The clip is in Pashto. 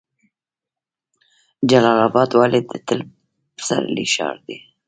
جلال اباد ولې د تل پسرلي ښار دی؟